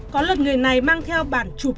có lần người này mang theo bản chụp